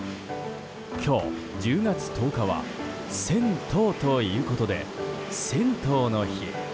今日、１０月１０日は「１０１０」ということで、銭湯の日。